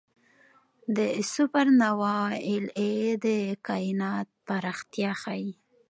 د سوپرنووا Ia د کائنات پراختیا ښيي.